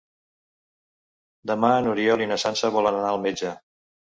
Demà n'Oriol i na Sança volen anar al metge.